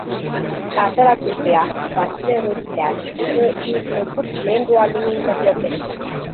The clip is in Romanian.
Tatăl acestuia, Vasile Rodideal este un cunoscut membru al lumii interlope.